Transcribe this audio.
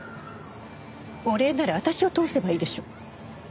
お礼なら私を通せばいいでしょう。